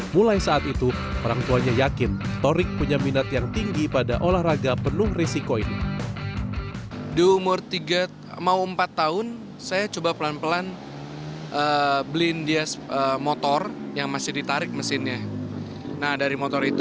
mulai saat itu orang tuanya yakin torik punya minat yang tinggi pada olahraga penuh risiko ini